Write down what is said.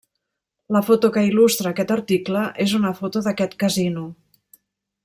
La foto que il·lustra aquest article és una foto d'aquest casino.